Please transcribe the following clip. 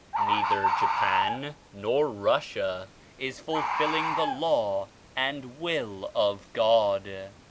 Neither Jap an nor Russia is fulfilling the Law and Will of God.